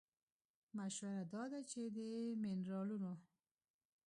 مشوره دا ده چې د مېنرالونو